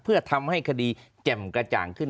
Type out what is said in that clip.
เพื่อทำให้คดีแจ่มกระจ่างขึ้น